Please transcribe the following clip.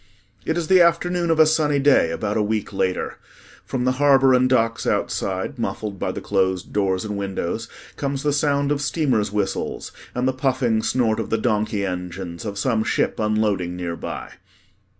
It is afternoon of a sunny day about a week later. From the harbor and docks outside, muffled by the closed door and windows, comes the sound of steamers' whistles and the puffing snort of the donkey engines of some ship unloading nearby.